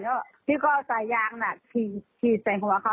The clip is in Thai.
ก็พี่ค่อยตายยางหนักขี้ใสงหัวเขา